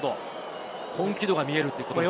本気度が見えるということですね。